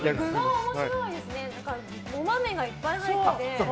いいですねお豆がいっぱい入ってて。